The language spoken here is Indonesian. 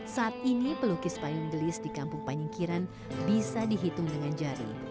saat ini pelukis payung gelis di kampung panyingkiran bisa dihitung dengan jari